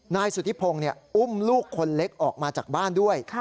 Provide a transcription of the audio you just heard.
นายสุธิพงศ์อุ้มลูกคนเล็กออกมาจากบ้านด้วย